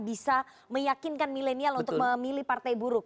bisa meyakinkan milenial untuk memilih partai buruk